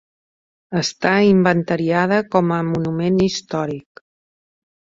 Està inventariada com a monument històric.